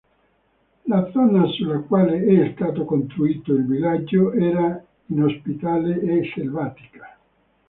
La zona sulla quale è stato costruito il villaggio era inospitale e selvatica.